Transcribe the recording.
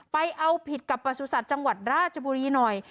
ไปเอาผิดกับประสุทธิ์จังหวัดราชบุรีหน่อย